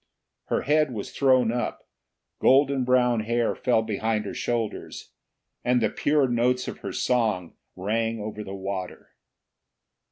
Her head was thrown up, golden brown hair fell behind her shoulders, and the pure notes of her song rang over the water.